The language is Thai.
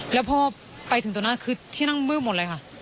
แล้วพอไปถึงตรงนั้นคือที่นั่งมืดหมดเลยค่ะ